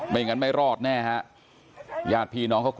ไม่อย่างนั้นไม่รอดแน่ครับญาติพี่น้องเขากลัว